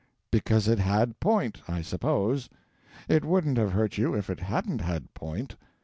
Because it had point, I suppose. It wouldn't have hurt you if it hadn't had point.